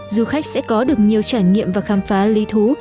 du khách sẽ có được nhiều trải nghiệm và khám phá lý thú